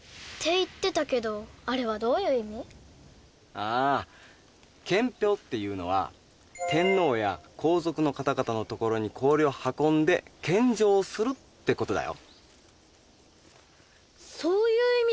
ああ献氷っていうのは天皇や皇族の方々の所に氷を運んで献上するってことだよ。